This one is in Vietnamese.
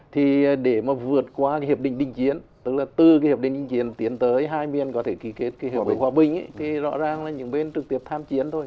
thì để mà vượt qua hiệp định đình chiến tức là từ hiệp định đình chiến tiến tới hai miền có thể ký kết hiệp ước hòa bình thì rõ ràng là những bên trực tiếp tham chiến thôi